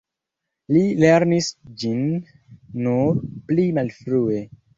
Li lernis ĝin nur pli malfrue.